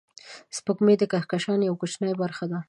سپوږمۍ د کهکشان یوه کوچنۍ برخه ده